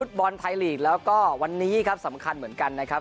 บอลไทยลีกแล้วก็วันนี้ครับสำคัญเหมือนกันนะครับ